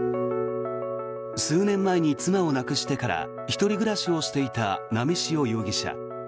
数年前に妻を亡くしてから１人暮らしをしていた波汐容疑者。